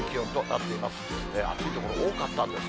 暑い所、多かったんです。